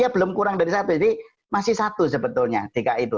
belum kurang dari satu jadi masih satu sebetulnya dki itu